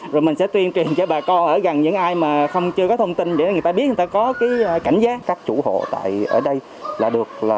rồi mình sẽ tuyên truyền cho bà con ở gần những ai chưa có thông tin để người ta biết người ta có cảnh giác